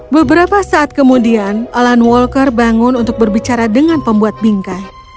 beberapa saat kemudian alan walker bangun untuk berbicara dengan pembuat bingkai